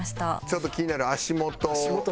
ちょっと気になる足元。